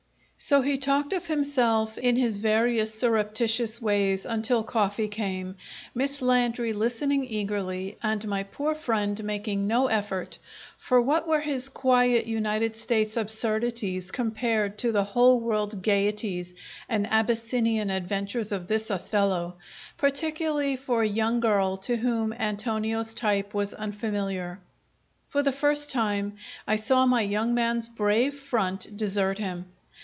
So he talked of himself in his various surreptitious ways until coffee came, Miss Landry listening eagerly, and my poor friend making no effort; for what were his quiet United States absurdities compared to the whole world gaieties and Abyssinian adventures of this Othello, particularly for a young girl to whom Antonio's type was unfamiliar? For the first time I saw my young man's brave front desert him.